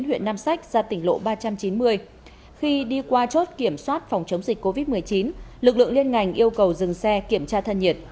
huy đi qua chốt kiểm soát phòng chống dịch covid một mươi chín lực lượng liên ngành yêu cầu dừng xe kiểm tra thân nhiệt